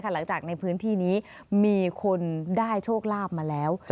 หลังจากในพื้นที่นี้มีคนได้โชคลาภมาแล้ว